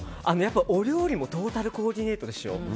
お料理もトータルコーディネートでしょ。